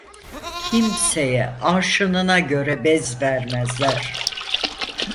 Kimseye arşınına göre bez vermezler.